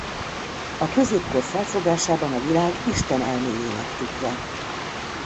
A középkor felfogásában a világ Isten elméjének tükre.